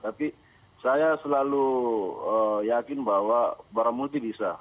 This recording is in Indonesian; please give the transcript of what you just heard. tapi saya selalu yakin bahwa barang multi bisa